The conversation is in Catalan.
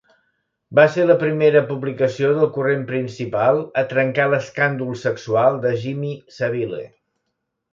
Va ser la primera publicació del corrent principal a trencar l'escàndol sexual de Jimmy Savile.